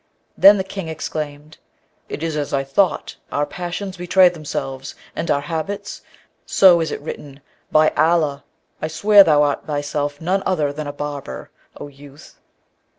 Then the King exclaimed, 'It is as I thought. Our passions betray themselves, and our habits; so is it written. By Allah! I swear thou art thyself none other than a barber, O youth.'